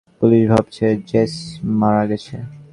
Police ভাবছে Jess মারা গেছে।